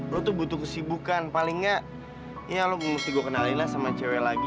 lo tuh butuh kesibukan palingnya ya lo mesti gue kenalin lah sama cewek lagi